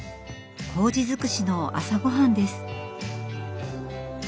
こうじ尽くしの朝ごはんです。